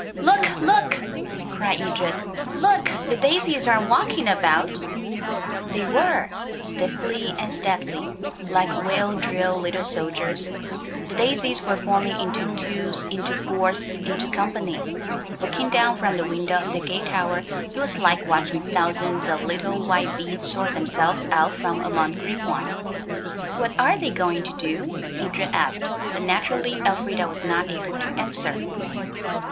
"Look! look!" cried Edred; "look! the daisies are walking about!" They were. Stiffly and steadily, like well drilled little soldiers, the daisies were forming into twos, into fours, into companies. Looking down from the window of the gate tower it was like watching thousands of little white beads sort themselves out from among green ones. "What are they going to do?" Edred asked, but naturally Elfrida was not able to answer.